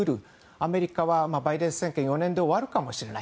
アメリカはバイデン政権が４年で終わるかもしれない。